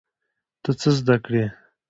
ته څه زده کړې؟